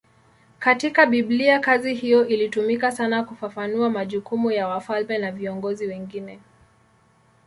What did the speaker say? Katika Biblia kazi hiyo ilitumika sana kufafanua majukumu ya wafalme na viongozi wengine.